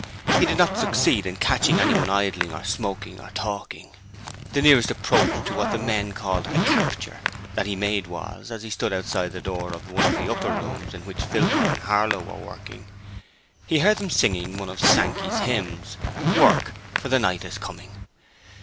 He did not succeed in catching anyone idling or smoking or talking. The nearest approach to what the men called 'a capture' that he made was, as he stood outside the door of one of the upper rooms in which Philpot and Harlow were working, he heard them singing one of Sankey's hymns 'Work! for the night is coming'.